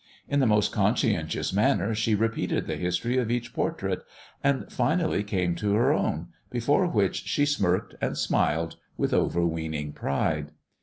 In the most conscientious manner she repeated the history of ea^h portrait, and finally came to her own, before which she smirked and smiled with overweening pride.